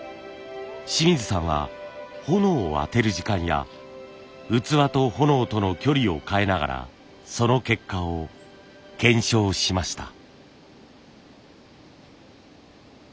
清水さんは炎を当てる時間や器と炎との距離を変えながらその結果を検証しました。